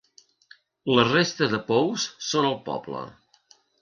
La resta de pous són al poble.